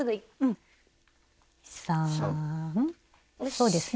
そうですね。